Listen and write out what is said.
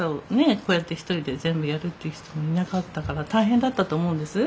こうやって一人で全部やるっていう人もいなかったから大変だったと思うんです。